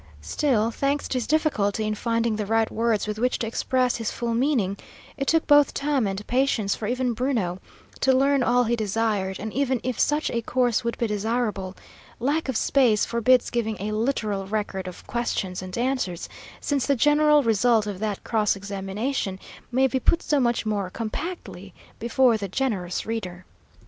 Still, thanks to his difficulty in finding the right words with which to express his full meaning, it took both time and patience for even Bruno to learn all he desired; and even if such a course would be desirable, lack of space forbids giving a literal record of questions and answers, since the general result of that cross examination may be put so much more compactly before the generous reader.